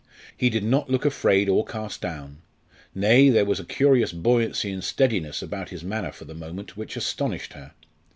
He did not look afraid or cast down nay, there was a curious buoyancy and steadiness about his manner for the moment which astonished her.